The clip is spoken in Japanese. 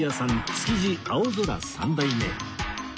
築地青空三代目